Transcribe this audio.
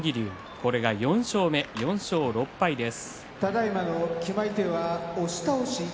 これが４勝目、４勝６敗です。